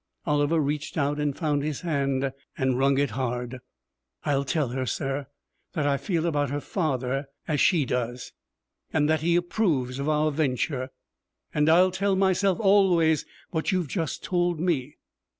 Oliver reached out and found his hand and wrung it hard. 'I'll tell her, sir, that I feel about her father as she does! And that he approves of our venture. And I'll tell myself, always, what you've just told me.